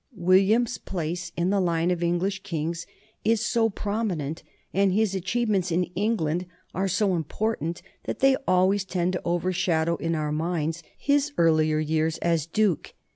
William's place in the line of English kings is so prominent and his achieve ments in England are so important that they always tend to overshadow in our minds his earlier years as duke.